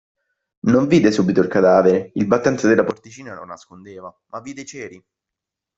Non vide subito il cadavere – il battente della porticina lo nascondeva – ma vide i ceri.